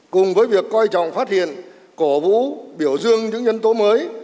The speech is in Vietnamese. cùng với việc coi trọng phát hiện cổ vũ biểu dương những nhân tố mới